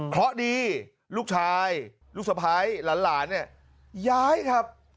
เพราะดีลูกชายลูกสะพ้ายหลานเนี่ยย้ายครับ